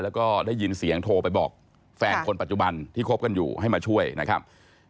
แล้วก็ได้ยินเสียงโทรไปบอกแฟนคนปัจจุบันที่คบกันอยู่ให้มาช่วยนะครับ